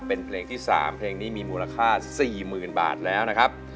เป็นเพลงที่๓เพลงนี้มีมูลค่า๔๐๐๐บาทแล้วนะครับ